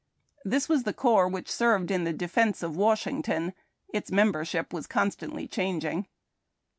This was the corps which served in the defence of Washington. Its membership was constantly changing.